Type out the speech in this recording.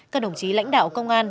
các đồng chí lãnh đạo công an